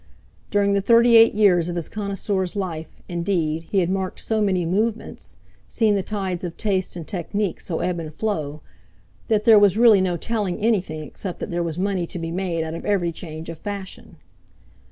During the thirty eight years of his connoisseur's life, indeed, he had marked so many "movements," seen the tides of taste and technique so ebb and flow, that there was really no telling anything except that there was money to be made out of every change of fashion.